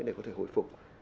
để có thể hồi phục